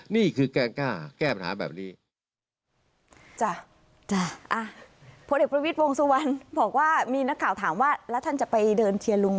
นี่คือแก้กล้าแก้ปัญหาแบบนี้